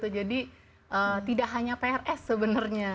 jadi tidak hanya prs sebenarnya